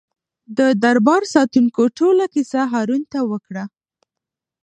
د دربار ساتونکو ټوله کیسه هارون ته وکړه.